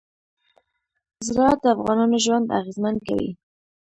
زراعت د افغانانو ژوند اغېزمن کوي.